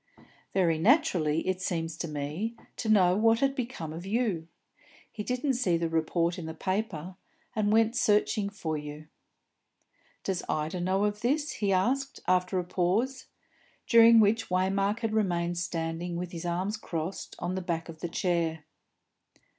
"Very naturally, it seems to me, to know what had become of you. He didn't see the report in the paper, and went searching for you." "Does Ida know of this?" he asked, after a pause, during which Waymark had remained standing with his arms crossed on the back of the chair.